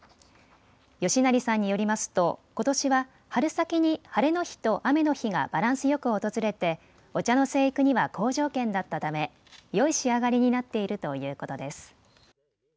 吉成さんによりますとことしは春先に晴れの日と雨の日がバランスよく訪れてお茶の生育には好条件だったためよい仕上がりになっているということです。